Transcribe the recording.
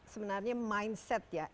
sebenarnya mindset ya